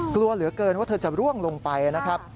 กลัวเหลือเกินว่าเธอจะร่วงลงไปนะครับ